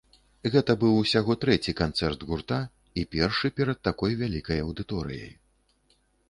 Гэта быў усяго трэці канцэрт гурта, і першы перад такой вялікай аўдыторыяй.